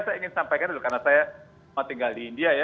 saya ingin sampaikan dulu karena saya tinggal di india ya